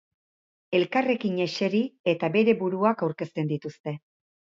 Elkarrekin eseri eta bere buruak aurkezten dituzte.